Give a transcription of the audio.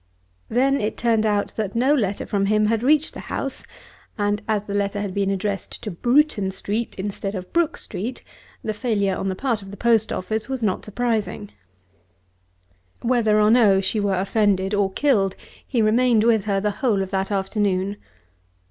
Then it turned out that no letter from him had reached the house; and as the letter had been addressed to Bruton Street instead of Brook Street, the failure on the part of the post office was not surprising. Whether or no she were offended or he killed he remained with her the whole of that afternoon.